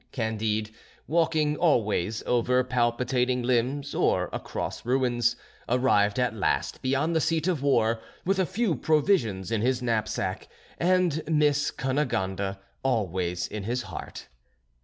Candide, walking always over palpitating limbs or across ruins, arrived at last beyond the seat of war, with a few provisions in his knapsack, and Miss Cunegonde always in his heart.